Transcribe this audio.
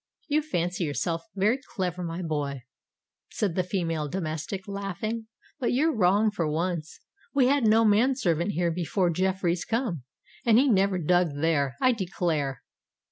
"You fancy yourself very clever, my boy," said the female domestic, laughing: "but you're wrong for once. We had no man servant here before Jeffreys come—and he never dug there, I declare."